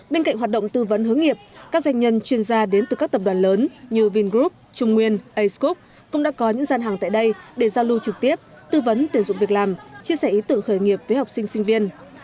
bên cạnh hoạt động tư vấn hướng nghiệp các doanh nhân chuyên gia đến từ các tập đoàn lớn như vingroup trung nguyên ace group cũng đã có những gian hàng tại đây để giao lưu trực tiếp tư vấn tuyển dụng việc làm chia sẻ ý tưởng khởi nghiệp với học sinh sinh viên